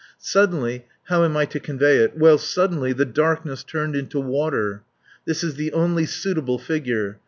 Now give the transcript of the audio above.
Suddenly how am I to convey it? Well, suddenly the darkness turned into water. This is the only suitable figure.